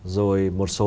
rồi một số